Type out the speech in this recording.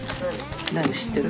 何知ってる？